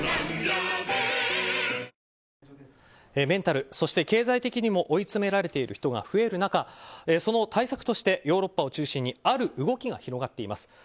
メンタル、そして経済的にも追いつめられている人が増える中、その対策としてヨーロッパを中心にある動きが広がっています。